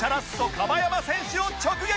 樺山選手を直撃！